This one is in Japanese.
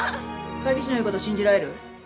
詐欺師の言うこと信じられる？